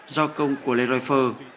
do công của leroy fer